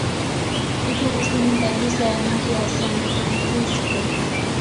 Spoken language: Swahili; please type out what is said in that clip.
Iko kusini kabisa ya mji wa San Francisco.